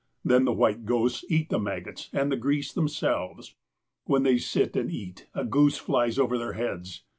Then the white ghosts eat the maggots and the grease themselves. "When they sit and eat, a goose flies over their heads.